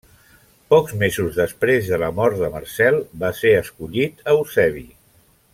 Pocs mesos després de la mort de Marcel va ser escollit Eusebi.